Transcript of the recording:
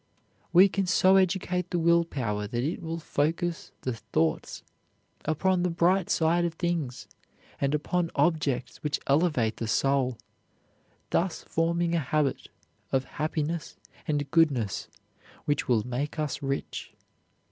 We can so educate the will power that it will focus the thoughts upon the bright side of things, and upon objects which elevate the soul, thus forming a habit of happiness and goodness which will make us rich.